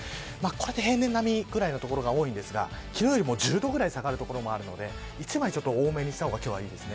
これで平年並みぐらいの所が多いですが昨日よりも１０度ぐらい下がる所もあるので１枚多めにした方がいいです。